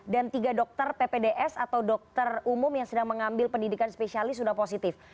dan tiga dokter ppds atau dokter umum yang sedang mengambil pendidikan spesialis sudah positif